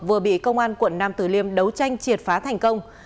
vừa bị công an quận nam tử liêm đấu tranh triệt phá thành công